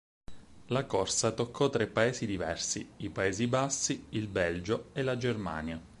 La corsa toccò tre paesi diversi: i Paesi Bassi, il Belgio e la Germania.